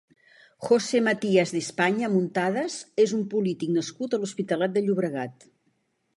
Jose Matias de España Muntadas és un polític nascut a l'Hospitalet de Llobregat.